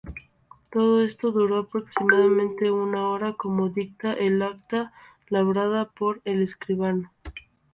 Todo esto duró aproximadamente una hora, como dicta el acta labrada por el escribano.